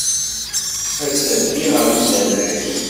Ass-a, ddiɣ ɣer usalay.